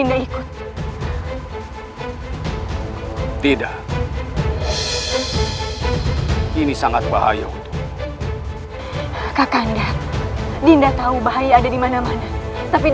aku tidak mau berurusan dengan wanita